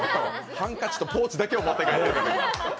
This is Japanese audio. ハンカチとポーチだけを持って帰っていただいて。